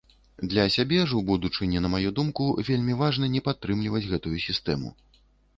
Для сябе ж у будучыні, на маю думку, вельмі важна не падтрымліваць гэтую сістэму.